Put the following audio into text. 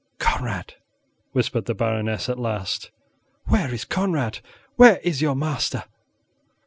"Conrad," whispered the Baroness, at last. "Where is Conrad? Where is your master?"